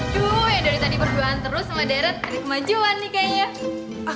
duh yang dari tadi berduaan terus sama darren ada kemajuan nih kayaknya